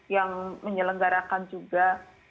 yang menyelenggarakan juga